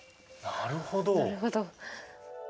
なるほど。